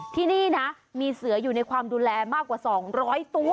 ที่นี่นะมีเสืออยู่ในความดูแลมากกว่า๒๐๐ตัว